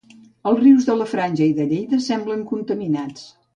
Els rius de la Franja i de Lleida semblen contaminats.